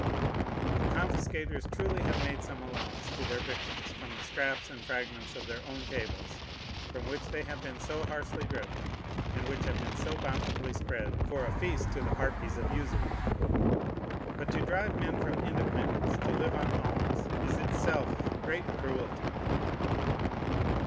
The confiscators truly have made some allowance to their victims from the scraps and fragments of their own tables, from which they have been so harshly driven, and which have been so bountifully spread for a feast to the harpies of usury. But to drive men from independence to live on alms is itself great cruelty.